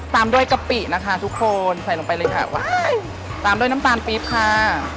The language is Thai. ตามด้วยกะปินะคะทุกคนใส่ลงไปเลยค่ะว้ายตามด้วยน้ำตาลปี๊บค่ะ